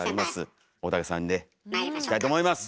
大竹さんでいきたいと思います。